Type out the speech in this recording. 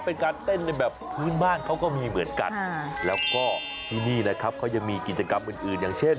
เป็นการเต้นในแบบพื้นบ้านเขาก็มีเหมือนกันแล้วก็ที่นี่นะครับเขายังมีกิจกรรมอื่นอย่างเช่น